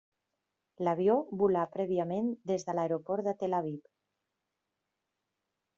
L'avió volà prèviament des de l'aeroport de Tel Aviv.